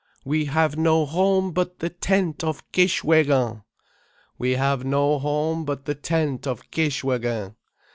"WE HAVE NO HOME BUT THE TENT OF KISHWÉGIN." "We have no home but the tent of Kishwégin."